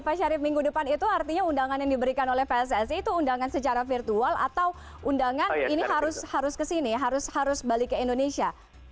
pak syarif minggu depan itu artinya undangan yang diberikan oleh pssi itu undangan secara virtual atau undangan ini harus kesini harus balik ke indonesia